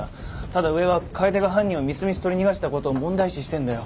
ただ上は楓が犯人をみすみす取り逃がしたことを問題視してんだよ。